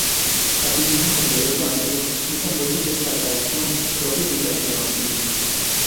Asimismo el dialecto andaluz usa múltiples arcaísmos propios del castellano antiguo.